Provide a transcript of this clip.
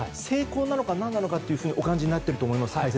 成功なのか何なのかとお感じになっていると思います。